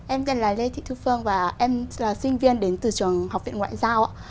em tên là lê thị thu phương và em sinh viên đến từ trường học viện ngoại giao